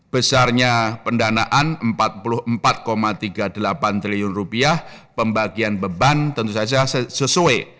besarnya pendanaan rp empat puluh empat tiga puluh delapan triliun pembagian beban tentu saja sesuai